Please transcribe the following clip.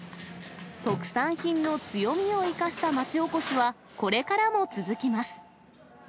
特産品の強みを生かした町おこしは、これからも続きます。